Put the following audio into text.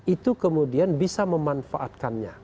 itu kemudian bisa memanfaatkannya